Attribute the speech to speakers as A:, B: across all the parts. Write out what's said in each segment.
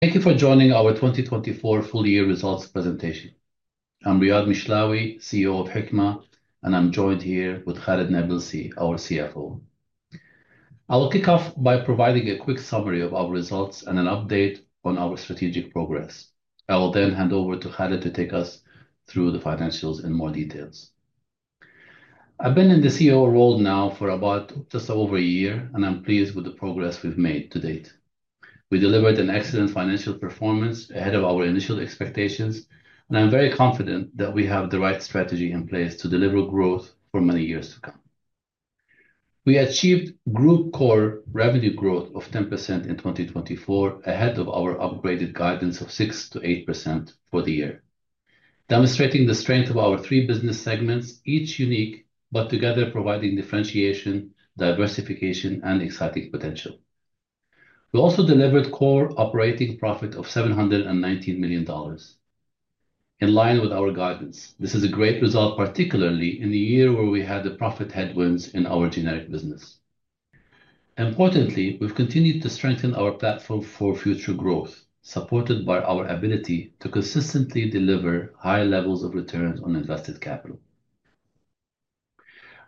A: Thank you for joining our 2024 full-year results presentation. I'm Riad Mishlawi, CEO of Hikma, and I'm joined here with Khalid Nabilsi, our CFO. I will kick off by providing a quick summary of our results and an update on our strategic progress. I will then hand over to Khalid to take us through the financials in more detail. I've been in the CEO role now for about just over a year, and I'm pleased with the progress we've made to date. We delivered an excellent financial performance ahead of our initial expectations, and I'm very confident that we have the right strategy in place to deliver growth for many years to come. We achieved group core revenue growth of 10% in 2024, ahead of our upgraded guidance of 6%-8% for the year, demonstrating the strength of our three business segments, each unique, but together providing differentiation, diversification, and exciting potential. We also delivered core operating profit of $719 million. In line with our guidance, this is a great result, particularly in a year where we had profit headwinds in our generic business. Importantly, we've continued to strengthen our platform for future growth, supported by our ability to consistently deliver high levels of returns on invested capital.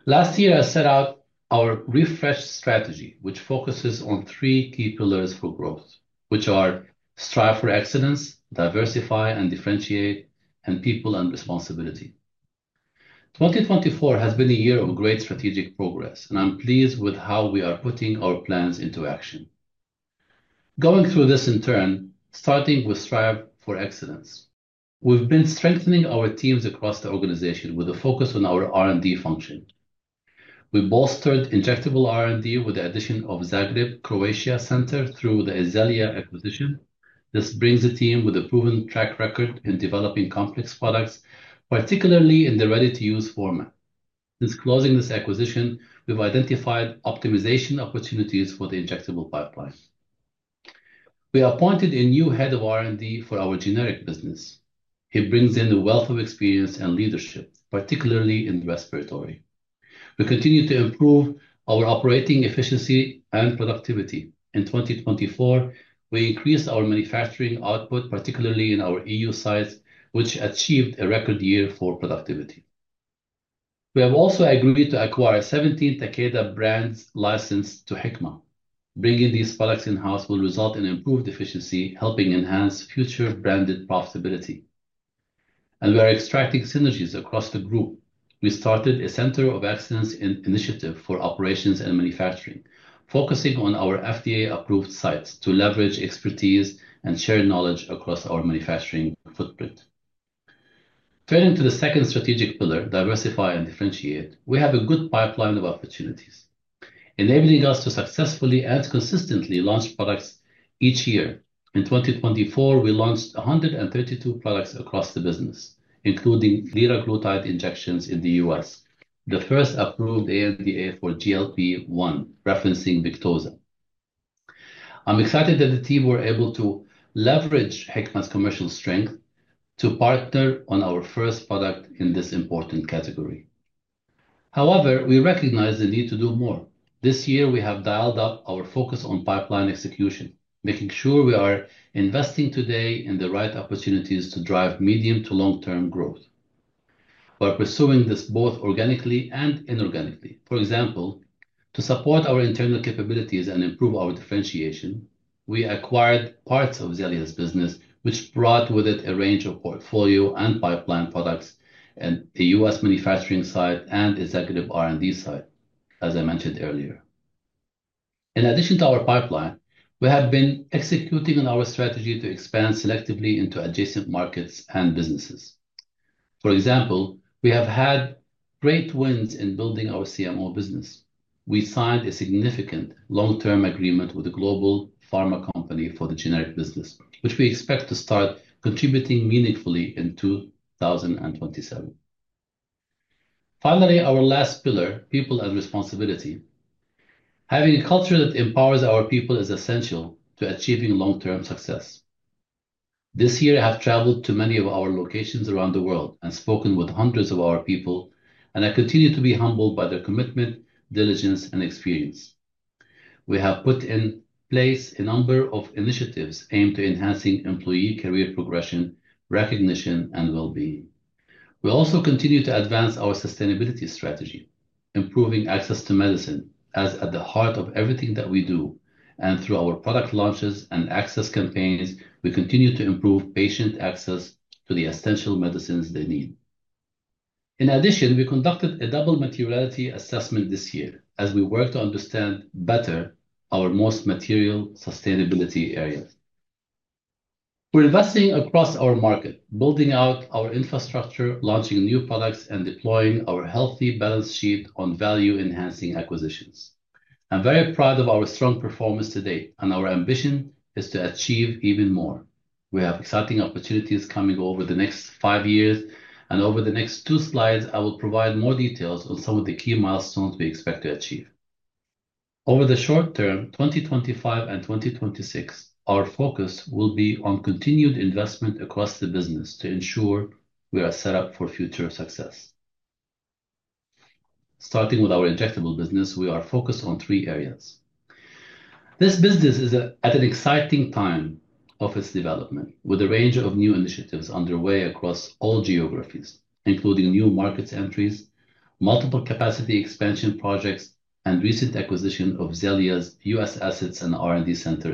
A: Last year, I set out our refreshed strategy, which focuses on three key pillars for growth, which are strive for excellence, diversify and differentiate, and people and responsibility. 2024 has been a year of great strategic progress, and I'm pleased with how we are putting our plans into action. Going through this in turn, starting with strive for excellence, we've been strengthening our teams across the organization with a focus on our R&D function. We bolstered injectable R&D with the addition of Zagreb, Croatia center through the Xellia acquisition. This brings a team with a proven track record in developing complex products, particularly in the ready-to-use format. Since closing this acquisition, we've identified optimization opportunities for the injectable pipeline. We appointed a new head of R&D for our generic business. He brings in a wealth of experience and leadership, particularly in respiratory. We continue to improve our operating efficiency and productivity. In 2024, we increased our manufacturing output, particularly in our EU sites, which achieved a record year for productivity. We have also agreed to acquire 17 Takeda brands licensed to Hikma. Bringing these products in-house will result in improved efficiency, helping enhance future branded profitability. We are extracting synergies across the group. We started a center of excellence initiative for operations and manufacturing, focusing on our FDA-approved sites to leverage expertise and share knowledge across our manufacturing footprint. Turning to the second strategic pillar, diversify and differentiate, we have a good pipeline of opportunities, enabling us to successfully and consistently launch products each year. In 2024, we launched 132 products across the business, including liraglutide injections in the U.S., the first approved ANDA for GLP-1, referencing Victoza. I'm excited that the team were able to leverage Hikma's commercial strength to partner on our first product in this important category. However, we recognize the need to do more. This year, we have dialed up our focus on pipeline execution, making sure we are investing today in the right opportunities to drive medium to long-term growth. We're pursuing this both organically and inorganically. For example, to support our internal capabilities and improve our differentiation, we acquired parts of Xellia's business, which brought with it a range of portfolio and pipeline products and a U.S. manufacturing site and excellence R&D site, as I mentioned earlier. In addition to our pipeline, we have been executing on our strategy to expand selectively into adjacent markets and businesses. For example, we have had great wins in building our CMO business. We signed a significant long-term agreement with a global pharma company for the generic business, which we expect to start contributing meaningfully in 2027. Finally, our last pillar, people and responsibility. Having a culture that empowers our people is essential to achieving long-term success. This year, I have traveled to many of our locations around the world and spoken with hundreds of our people, and I continue to be humbled by their commitment, diligence, and experience. We have put in place a number of initiatives aimed at enhancing employee career progression, recognition, and well-being. We also continue to advance our sustainability strategy, improving access to medicine as at the heart of everything that we do, and through our product launches and access campaigns, we continue to improve patient access to the essential medicines they need. In addition, we conducted a double materiality assessment this year as we worked to understand better our most material sustainability areas. We're investing across our market, building out our infrastructure, launching new products, and deploying our healthy balance sheet on value-enhancing acquisitions. I'm very proud of our strong performance today, and our ambition is to achieve even more. We have exciting opportunities coming over the next five years, and over the next two slides, I will provide more details on some of the key milestones we expect to achieve. Over the short term, 2025 and 2026, our focus will be on continued investment across the business to ensure we are set up for future success. Starting with our injectable business, we are focused on three areas. This business is at an exciting time of its development, with a range of new initiatives underway across all geographies, including new market entries, multiple capacity expansion projects, and recent acquisition of Xellia's U.S. assets and R&D center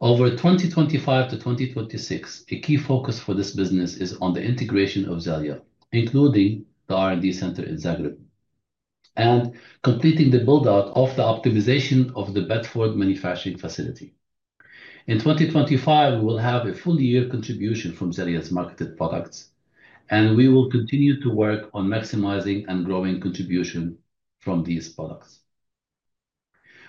A: in Zagreb. Over 2025 to 2026, a key focus for this business is on the integration of Xellia, including the R&D center in Zagreb, and completing the build-out of the optimization of the Bedford manufacturing facility. In 2025, we will have a full-year contribution from Xellia's marketed products, and we will continue to work on maximizing and growing contribution from these products.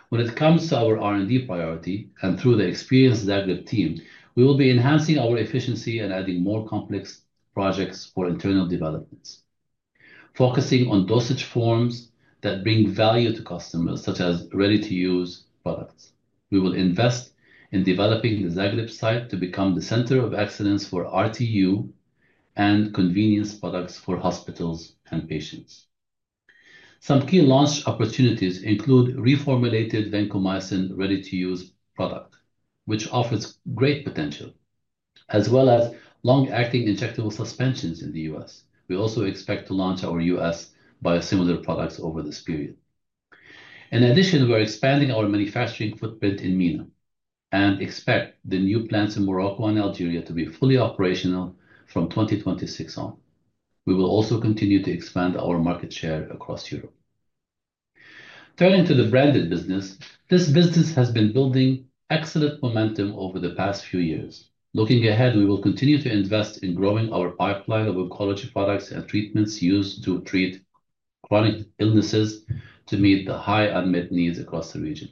A: When it comes to our R&D priority and through the experienced Zagreb team, we will be enhancing our efficiency and adding more complex projects for internal developments, focusing on dosage forms that bring value to customers, such as ready-to-use products. We will invest in developing the Zagreb site to become the center of excellence for RTU and convenience products for hospitals and patients. Some key launch opportunities include reformulated vancomycin ready-to-use product, which offers great potential, as well as long-acting injectable suspensions in the U.S. We also expect to launch our U.S. biosimilar products over this period. In addition, we're expanding our manufacturing footprint in MENA and expect the new plants in Morocco and Algeria to be fully operational from 2026 on. We will also continue to expand our market share across Europe. Turning to the branded business, this business has been building excellent momentum over the past few years. Looking ahead, we will continue to invest in growing our pipeline of oncology products and treatments used to treat chronic illnesses to meet the high unmet needs across the region.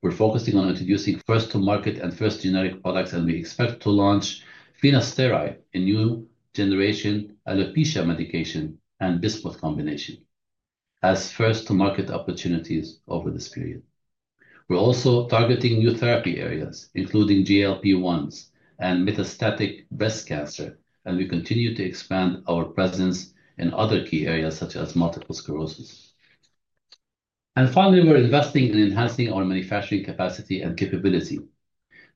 A: We're focusing on introducing first-to-market and first-generic products, and we expect to launch finasteride in new generation alopecia medication and bismuth combination as first-to-market opportunities over this period. We're also targeting new therapy areas, including GLP-1s and metastatic breast cancer, and we continue to expand our presence in other key areas such as multiple sclerosis. And finally, we're investing in enhancing our manufacturing capacity and capability,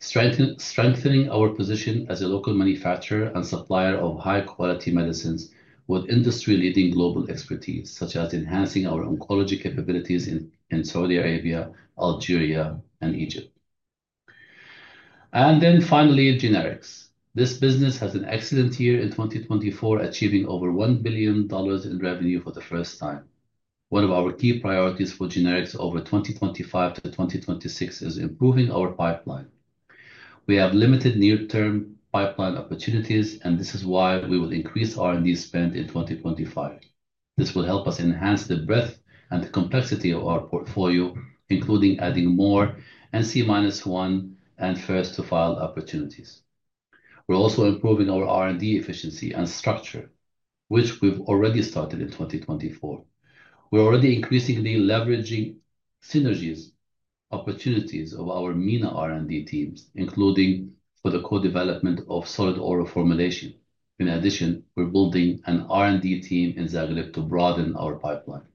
A: strengthening our position as a local manufacturer and supplier of high-quality medicines with industry-leading global expertise, such as enhancing our oncology capabilities in Saudi Arabia, Algeria, and Egypt. And then finally, generics. This business has an excellent year in 2024, achieving over $1 billion in revenue for the first time. One of our key priorities for generics over 2025 to 2026 is improving our pipeline. We have limited near-term pipeline opportunities, and this is why we will increase R&D spend in 2025. This will help us enhance the breadth and complexity of our portfolio, including adding more NCE-1 and first-to-file opportunities. We're also improving our R&D efficiency and structure, which we've already started in 2024. We're already increasingly leveraging synergies opportunities of our MENA R&D teams, including for the co-development of solid oral formulation. In addition, we're building an R&D team in Zagreb to broaden our pipeline.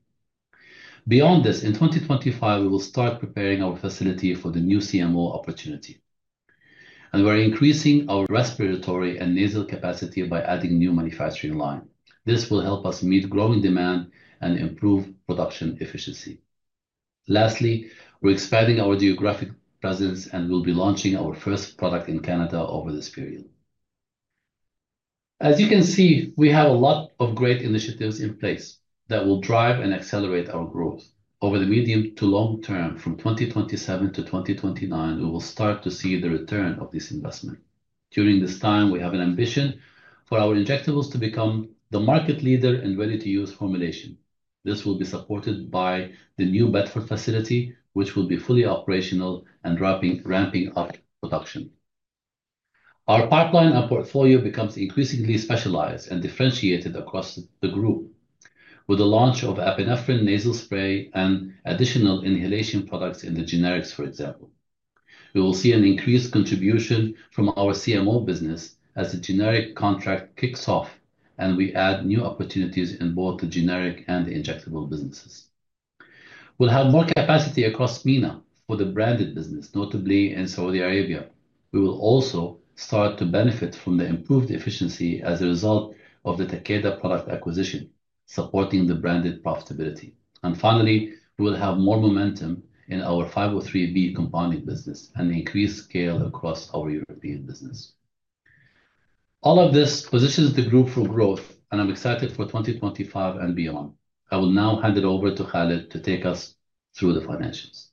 A: Beyond this, in 2025, we will start preparing our facility for the new CMO opportunity, and we're increasing our respiratory and nasal capacity by adding a new manufacturing line. This will help us meet growing demand and improve production efficiency. Lastly, we're expanding our geographic presence and will be launching our first product in Canada over this period. As you can see, we have a lot of great initiatives in place that will drive and accelerate our growth. Over the medium to long term, from 2027 to 2029, we will start to see the return of this investment. During this time, we have an ambition for our injectables to become the market leader in ready-to-use formulation. This will be supported by the new Bedford facility, which will be fully operational and ramping up production. Our pipeline and portfolio becomes increasingly specialized and differentiated across the group with the launch of epinephrine nasal spray and additional inhalation products in the generics, for example. We will see an increased contribution from our CMO business as the generic contract kicks off, and we add new opportunities in both the generic and the injectable businesses. We'll have more capacity across MENA for the branded business, notably in Saudi Arabia. We will also start to benefit from the improved efficiency as a result of the Takeda product acquisition, supporting the branded profitability. And finally, we will have more momentum in our 503B compounding business and increased scale across our European business. All of this positions the group for growth, and I'm excited for 2025 and beyond. I will now hand it over to Khalid to take us through the financials.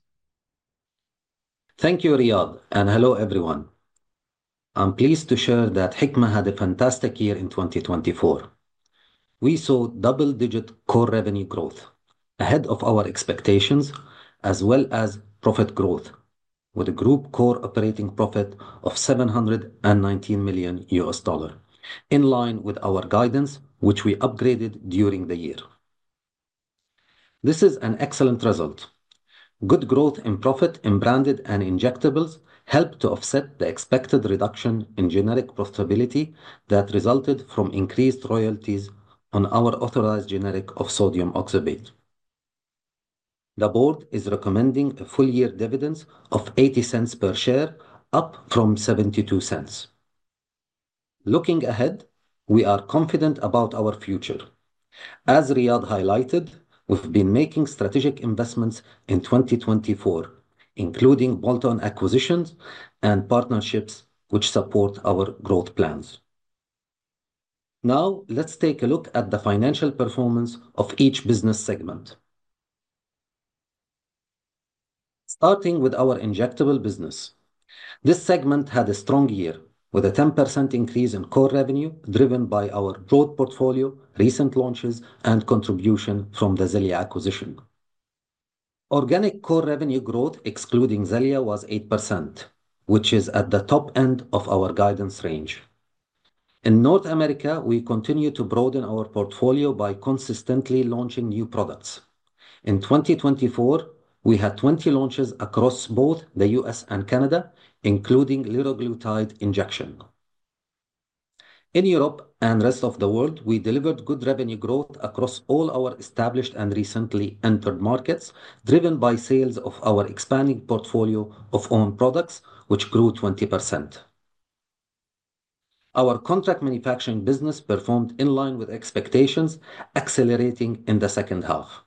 B: Thank you, Riad, and hello everyone. I'm pleased to share that Hikma had a fantastic year in 2024. We saw double-digit core revenue growth ahead of our expectations, as well as profit growth, with a group core operating profit of $719 million, in line with our guidance, which we upgraded during the year. This is an excellent result. Good growth in profit in branded and injectables helped to offset the expected reduction in generic profitability that resulted from increased royalties on our authorized generic of sodium oxybate. The board is recommending a full-year dividend of $0.80 per share, up from $0.72. Looking ahead, we are confident about our future. As Riad highlighted, we've been making strategic investments in 2024, including bolt-on acquisitions and partnerships which support our growth plans. Now, let's take a look at the financial performance of each business segment. Starting with our injectable business, this segment had a strong year with a 10% increase in core revenue driven by our growth portfolio, recent launches, and contribution from the Xellia acquisition. Organic core revenue growth, excluding Xellia, was 8%, which is at the top end of our guidance range. In North America, we continue to broaden our portfolio by consistently launching new products. In 2024, we had 20 launches across both the U.S. and Canada, including liraglutide injection. In Europe and the rest of the world, we delivered good revenue growth across all our established and recently entered markets, driven by sales of our expanding portfolio of own products, which grew 20%. Our contract manufacturing business performed in line with expectations, accelerating in the second half.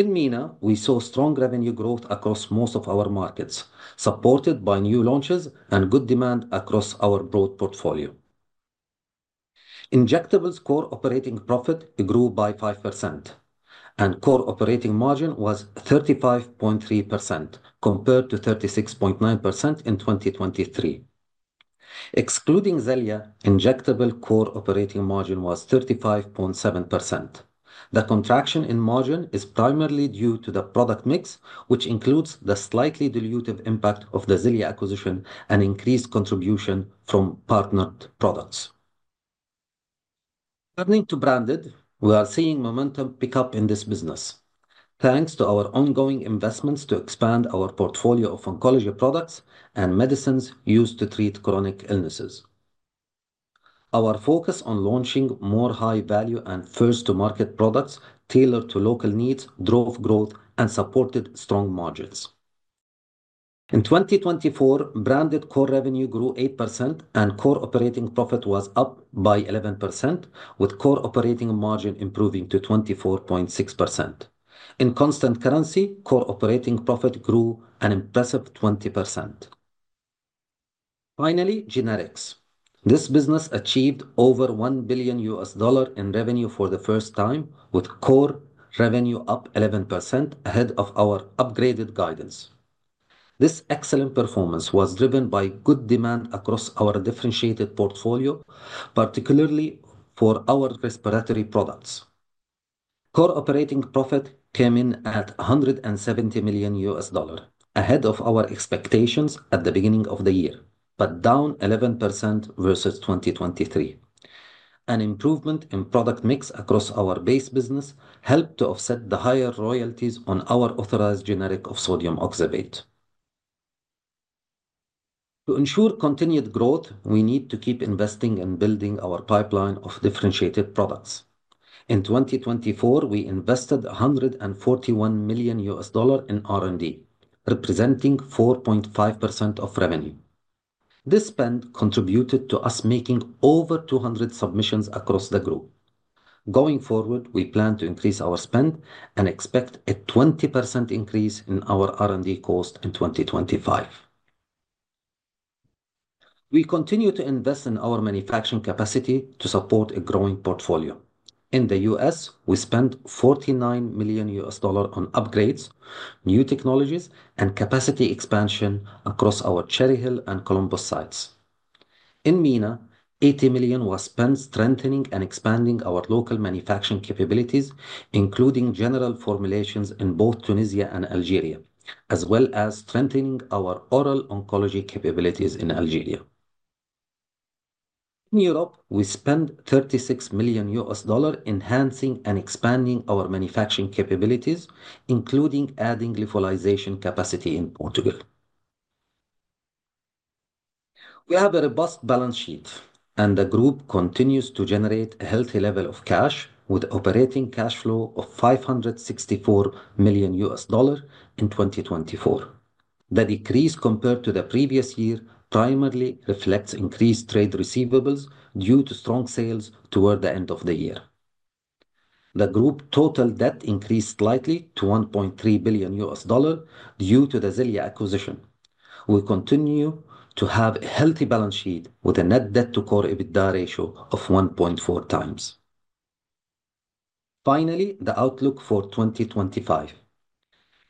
B: In MENA, we saw strong revenue growth across most of our markets, supported by new launches and good demand across our broad portfolio. Injectables' core operating profit grew by 5%, and core operating margin was 35.3% compared to 36.9% in 2023. Excluding Xellia, injectable core operating margin was 35.7%. The contraction in margin is primarily due to the product mix, which includes the slightly dilutive impact of the Xellia acquisition and increased contribution from partnered products. Turning to branded, we are seeing momentum pick up in this business, thanks to our ongoing investments to expand our portfolio of oncology products and medicines used to treat chronic illnesses. Our focus on launching more high-value and first-to-market products tailored to local needs drove growth and supported strong margins. In 2024, branded core revenue grew 8%, and core operating profit was up by 11%, with core operating margin improving to 24.6%. In constant currency, core operating profit grew an impressive 20%. Finally, generics. This business achieved over $1 billion in revenue for the first time, with core revenue up 11% ahead of our upgraded guidance. This excellent performance was driven by good demand across our differentiated portfolio, particularly for our respiratory products. Core operating profit came in at $170 million ahead of our expectations at the beginning of the year, but down 11% versus 2023. An improvement in product mix across our base business helped to offset the higher royalties on our authorized generic of sodium oxybate. To ensure continued growth, we need to keep investing and building our pipeline of differentiated products. In 2024, we invested $141 million in R&D, representing 4.5% of revenue. This spend contributed to us making over 200 submissions across the group. Going forward, we plan to increase our spend and expect a 20% increase in our R&D cost in 2025. We continue to invest in our manufacturing capacity to support a growing portfolio. In the U.S., we spent $49 million on upgrades, new technologies, and capacity expansion across our Cherry Hill and Columbus sites. In MENA, $80 million was spent strengthening and expanding our local manufacturing capabilities, including general formulations in both Tunisia and Algeria, as well as strengthening our oral oncology capabilities in Algeria. In Europe, we spent $36 million enhancing and expanding our manufacturing capabilities, including adding lyophilization capacity in Portugal. We have a robust balance sheet, and the group continues to generate a healthy level of cash, with an operating cash flow of $564 million in 2024. The decrease compared to the previous year primarily reflects increased trade receivables due to strong sales toward the end of the year. The group total debt increased slightly to $1.3 billion due to the Xellia acquisition. We continue to have a healthy balance sheet with a net debt-to-Core EBITDA ratio of 1.4x. Finally, the outlook for 2025.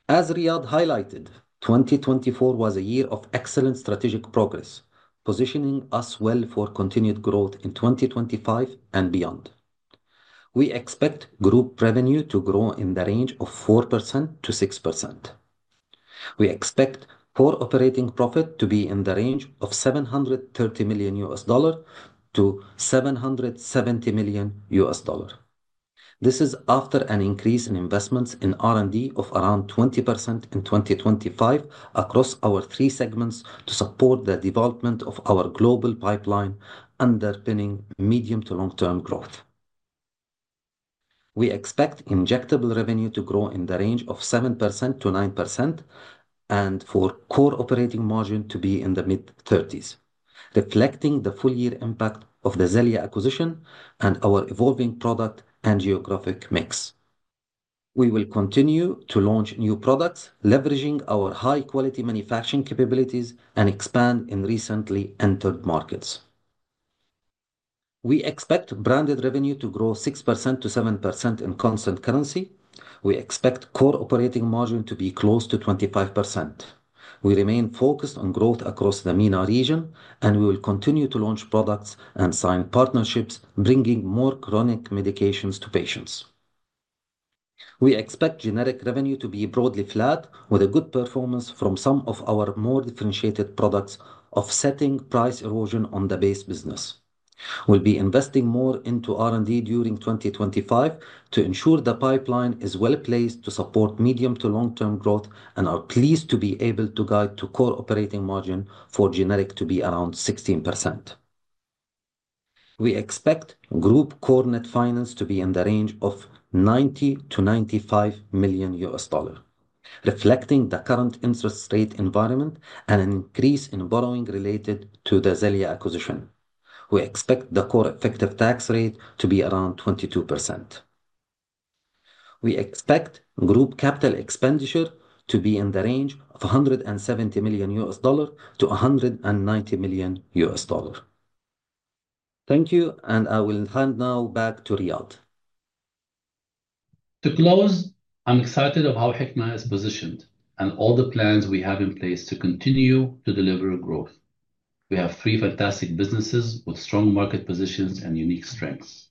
B: As Riad highlighted, 2024 was a year of excellent strategic progress, positioning us well for continued growth in 2025 and beyond. We expect group revenue to grow in the range of 4%-6%. We expect core operating profit to be in the range of $730 million-$770 million. This is after an increase in investments in R&D of around 20% in 2025 across our three segments to support the development of our global pipeline underpinning medium to long-term growth. We expect injectable revenue to grow in the range of 7%-9% and for core operating margin to be in the mid-30s, reflecting the full-year impact of the Xellia acquisition and our evolving product and geographic mix. We will continue to launch new products, leveraging our high-quality manufacturing capabilities and expand in recently entered markets. We expect branded revenue to grow 6%-7% in constant currency. We expect core operating margin to be close to 25%. We remain focused on growth across the MENA region, and we will continue to launch products and sign partnerships bringing more chronic medications to patients. We expect generic revenue to be broadly flat, with a good performance from some of our more differentiated products offsetting price erosion on the base business. We'll be investing more into R&D during 2025 to ensure the pipeline is well placed to support medium to long-term growth and are pleased to be able to guide to core operating margin for generic to be around 16%. We expect group core net finance to be in the range of $90 million-$95 million, reflecting the current interest rate environment and an increase in borrowing related to the Xellia acquisition. We expect the core effective tax rate to be around 22%. We expect group capital expenditure to be in the range of $170 million-$190 million. Thank you, and I will hand now back to Riad.
A: To close, I'm excited about how Hikma is positioned and all the plans we have in place to continue to deliver growth. We have three fantastic businesses with strong market positions and unique strengths.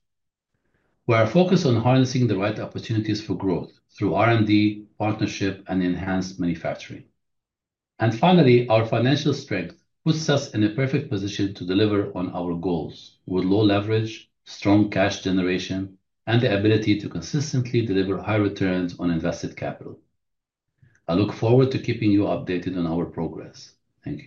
A: We are focused on harnessing the right opportunities for growth through R&D, partnership, and enhanced manufacturing, and finally, our financial strength puts us in a perfect position to deliver on our goals with low leverage, strong cash generation, and the ability to consistently deliver high returns on invested capital. I look forward to keeping you updated on our progress. Thank you.